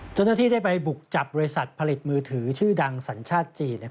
เจ้าหน้าที่ได้ไปบุกจับบริษัทผลิตมือถือชื่อดังสัญชาติจีน